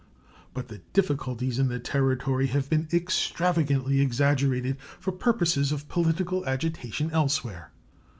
But the difficulties in that Territory have been extravagantly exaggerated for purposes of political agitation elsewhere.